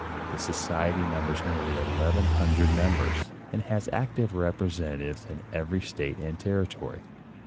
The Society numbers nearly eleven hundred members, and has active representatives in every state and territory.